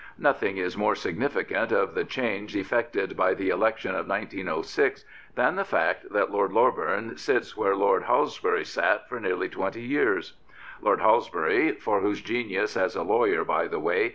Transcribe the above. Nothing is more significant of the change effected by the election of 1906 than the fact that Lord 196 Lord Loreburn Loreburn sits where Lord Halsbury sat for nearly twenty years. Lord Halsbury — for whose genius as a lawyer, by the way.